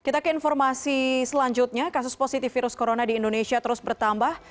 kita ke informasi selanjutnya kasus positif virus corona di indonesia terus bertambah